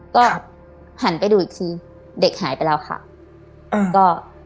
ก็หันไปดูอีกทีเด็กหายไปแล้วค่ะอืมก็